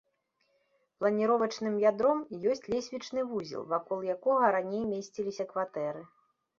Планіровачным ядром ёсць лесвічны вузел, вакол якога раней месціліся кватэры.